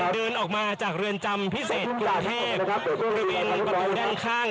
เดินออกมาจากเรือนจำพิเศษกรุงเทพครับบริเวณประตูด้านข้าง